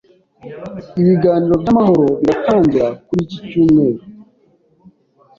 Ibiganiro byamahoro biratangira kuri iki cyumweru.